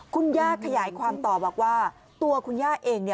คุณย่าขยายความต่อบอกว่าตัวคุณย่าเอง